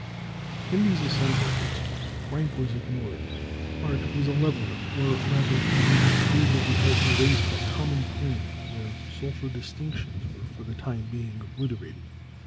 In these assemblages rank was ignored. Art was a leveller, or, rather, the devotees of the art were raised to a common plane, where social distinctions were for the time being obliterated.